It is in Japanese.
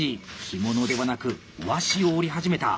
着物ではなく和紙を折り始めた。